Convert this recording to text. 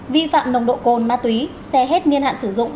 vi phạm nồng độ cồn ma túy xe hết niên hạn sử dụng